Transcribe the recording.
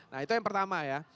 nah itu yang pertama ya